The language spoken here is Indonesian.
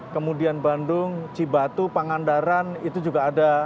kemudian bandung cibatu pangandaran itu juga ada